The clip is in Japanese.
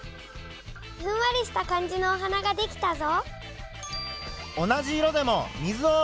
ふんわりした感じのお花が出来たぞ。